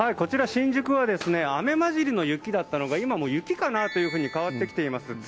こちら、新宿は雨交じりの雪だったのが今、雪かなというふうに変わってきています。